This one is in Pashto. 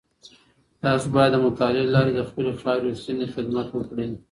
تاسو بايد د مطالعې له لاري د خپلي خاوري رښتينی خدمت وکړئ.